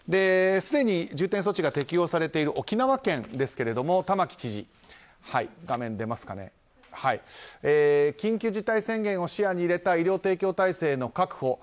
すでに重点措置が適用されている沖縄県ですが玉城知事は緊急事態宣言を視野に入れた医療提供体制の確保。